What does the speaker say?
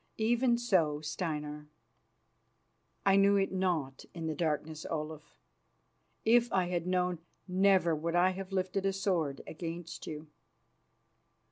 "Even so, Steinar." "I knew it not in the darkness, Olaf. If I had known, never would I have lifted sword against you."